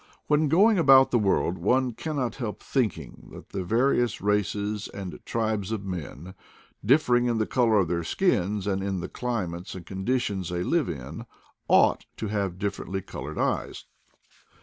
When going about CONCERNING EYES 189 the world one cannot help thinking that the vari ous races and tribes of men, differing in the color of their skins and in the climates and conditions they live in, ought to have differently colored eyes.